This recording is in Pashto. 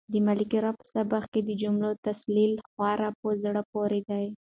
د ملکیار په سبک کې د جملو تسلسل خورا په زړه پورې دی.